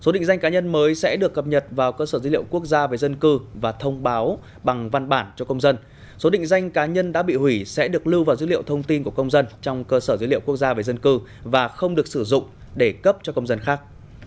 số định danh cá nhân mới sẽ được cập nhật vào cơ sở dữ liệu quốc gia về dân cư và thông báo bằng văn bản cho công dân số định danh cá nhân đã bị hủy sẽ được lưu vào dữ liệu thông tin của công dân trong cơ sở dữ liệu quốc gia về dân cư và không được sử dụng để cấp cho công dân khác